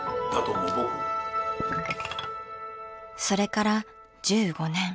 それから１５年。